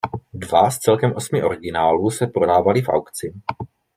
Dva z celkem osmi originálů se prodávaly v aukci.